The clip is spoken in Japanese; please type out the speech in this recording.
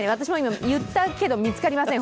言ったけど私も見つかりません。